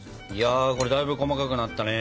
これだいぶ細かくなったね。